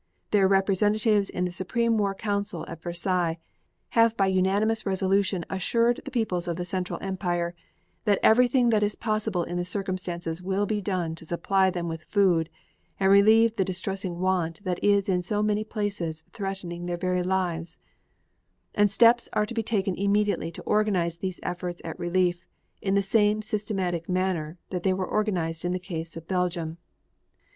Their representatives in the Supreme War Council at Versailles have by unanimous resolution assured the peoples of the Central Empires that everything that is possible in the circumstances will be done to supply them with food and relieve the distressing want that is in so many places threatening their very lives; and steps are to be taken immediately to organize these efforts at relief in the same systematic manner that they were organized in the case of Belgium.